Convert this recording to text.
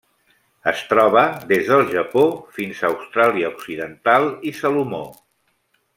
Es troba des del Japó fins a Austràlia Occidental i Salomó.